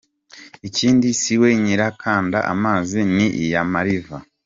Ikindi si we nyira Kanda Amazi ni iya Ma-Riva.